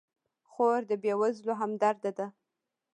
خور د بېوزلو همدرده ده.